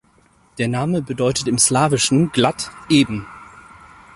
Der Name bedeutet im Slawischen "glatt, eben".